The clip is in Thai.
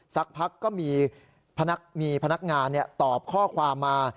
สักพักก็มีพนักงานตอบข้อความมา